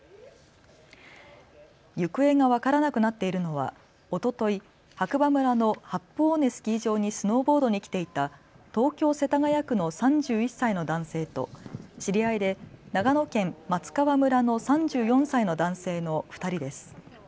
行方が分からなくなっているのはおととい、白馬村の八方尾根スキー場にスノーボードに来ていた東京世田谷区の３１歳の男性と知り合いで長野県松川村の３４歳の男性の２人です。